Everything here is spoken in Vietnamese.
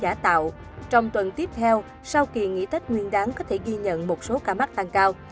cải tạo trong tuần tiếp theo sau kỳ nghỉ tết nguyên đáng có thể ghi nhận một số ca mắc tăng cao